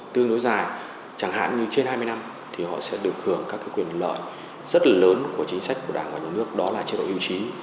tương đối dài chẳng hạn như trên hai mươi năm thì họ sẽ được hưởng các quyền lợi rất là lớn của chính sách của đảng và nhà nước đó là chế độ hưu trí